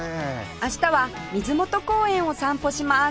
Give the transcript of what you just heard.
明日は水元公園を散歩します